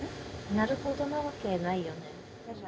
なるほどなわけないよね。